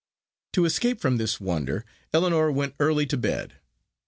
To escape from this wonder, Ellinor went early to bed.